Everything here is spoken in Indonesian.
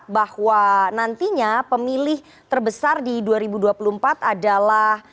bahwa nantinya pemilih terbesar di dua ribu dua puluh empat adalah